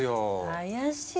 怪しい。